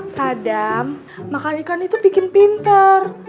sadam makan ikan itu bikin pinter